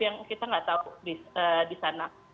yang kita nggak tahu di sana